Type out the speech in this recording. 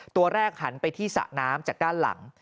ตัวแรกหันไปที่สระน้ำจากด้านหลัง